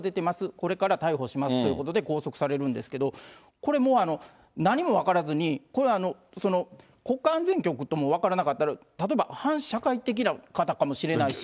これから逮捕しますということで、拘束されるんですけど、これもう、何も分からずに、国家安全局とも分からなかった、例えば反社会的な方かもしれないし。